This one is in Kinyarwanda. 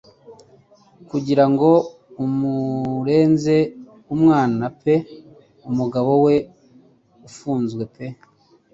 Kugira ngo amureze-umwana pe Umugabo we ufunzwe pe